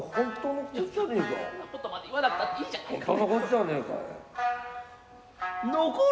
そんなことまで言わなくたっていいじゃないかい。